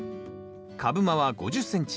株間は５０ｃｍ。